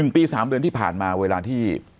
ปี๓เดือนที่ผ่านมาเวลาที่